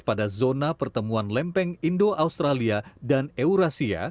pada zona pertemuan lempeng indo australia dan eurasia